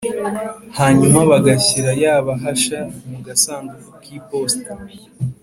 hanyuma bagashyira ya bahasha mu gasanduku kiposita